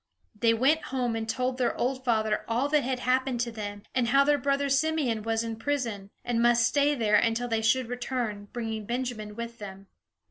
They went home and told their old father all that had happened to them, and how their brother Simeon was in prison, and must stay there until they should return, bringing Benjamin with them.